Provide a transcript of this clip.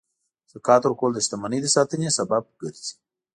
زکات ورکول د شتمنۍ د ساتنې سبب ګرځي.